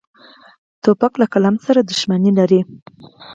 توپک له قلم سره دښمني لري.